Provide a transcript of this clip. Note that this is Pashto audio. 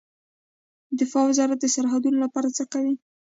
دفاع وزارت د سرحدونو لپاره څه کوي؟